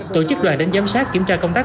tổ chức đoàn đến giám sát kiểm tra công tác